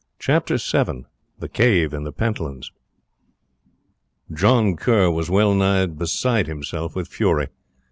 Chapter VII The Cave in the Pentlands John Kerr was well nigh beside himself with fury.